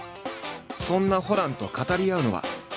そんなホランと語り合うのは。